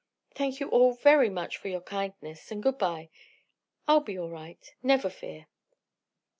Thank you all very much for your kindness, and good bye. I'll be all right, never fear."